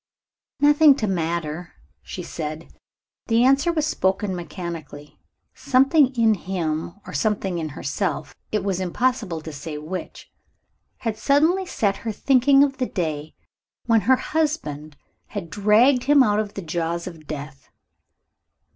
"Nothing to matter," she said. The answer was spoken mechanically. Something in him or something in herself, it was impossible to say which, had suddenly set her thinking of the day when her husband had dragged him out of the jaws of death.